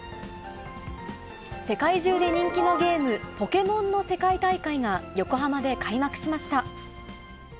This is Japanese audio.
世界中で人気のゲーム、ポケモンの世界大会が、横浜で開幕しました。